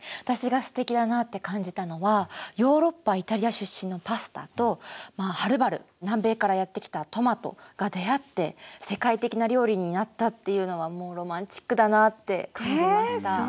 私がすてきだなって感じたのはヨーロッパ・イタリア出身のパスタとはるばる南米からやって来たトマトが出会って世界的な料理になったっていうのはもうロマンチックだなって感じました。